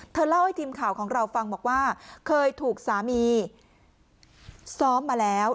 เล่าให้ทีมข่าวของเราฟังบอกว่าเคยถูกสามีซ้อมมาแล้ว